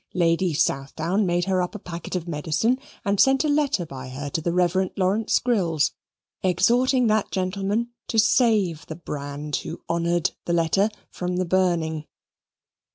Lady Southdown made her up a packet of medicine and sent a letter by her to the Rev. Lawrence Grills, exhorting that gentleman to save the brand who "honoured" the letter from the burning.